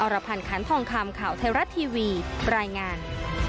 รพันธ์คันทองคำข่าวไทยรัฐทีวีรายงาน